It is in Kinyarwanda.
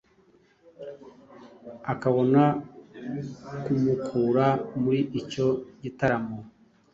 Akabona kumukura muri icyo gitaramo.